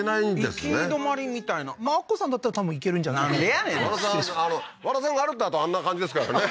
行き止まりみたいなアッコさんだったら多分行けるんじゃなんでやねん和田さんが歩いたあとあんな感じですからね